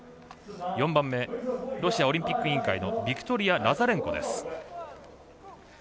４番目ロシアオリンピック委員会のビクトリヤ・ラザレンコ。